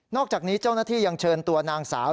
อกจากนี้เจ้าหน้าที่ยังเชิญตัวนางสาว